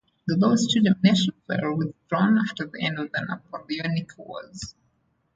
The lowest two denominations were withdrawn after the end of the Napoleonic wars.